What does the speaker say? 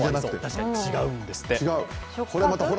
違うんですって。